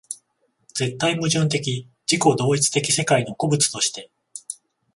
絶対矛盾的自己同一的世界の個物として